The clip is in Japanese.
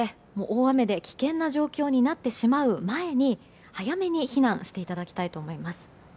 そして、大雨で危険な状況になってしまう前に早めに避難していただきたいと思います。